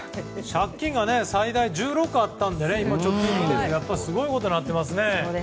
借金が最大１６あったので今はすごいことになってますね。